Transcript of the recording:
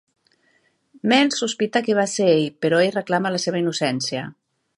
Mel sospita que va ser ell però ell reclama la seva innocència.